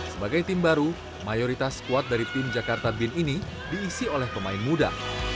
sebagai tim baru mayoritas squad dari tim jakarta bin ini diisi oleh pemain muda